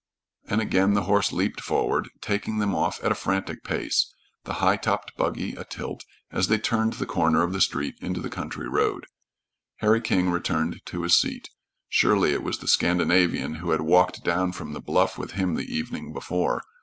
And again the horse leaped forward, taking them off at a frantic pace, the high topped buggy atilt as they turned the corner of the street into the country road. Harry King returned to his seat. Surely it was the Scandinavian who had walked down from the bluff with him the evening before.